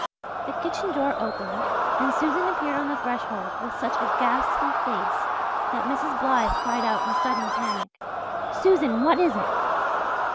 The kitchen door opened and Susan appeared on the threshold with such a ghastly face that Mrs. Blythe cried out in sudden panic. "Susan, what is it?"